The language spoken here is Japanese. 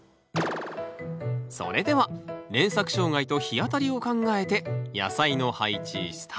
それでは連作障害と日当たりを考えて野菜の配置スタート！